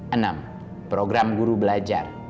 enam program guru belajar